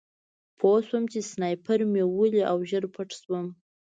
پوه شوم چې سنایپر مې ولي او ژر پټ شوم